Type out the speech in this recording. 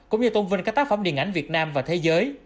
cũng như tôn vinh các tác phẩm điện ảnh việt nam và thế giới